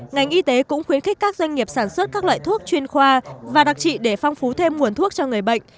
ngành y tế cũng khuyến khích các doanh nghiệp sản xuất các loại thuốc chuyên khoa và đặc trị để phong phú thêm nguồn thuốc cho người bệnh